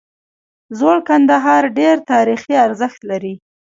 زوړ کندهار ډیر تاریخي ارزښت لري